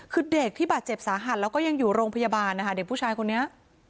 คือเด็กที่บาดเจ็บสาหัสแล้วก็ยังอยู่โรงพยาบาลนะคะเด็กผู้ชายคนนี้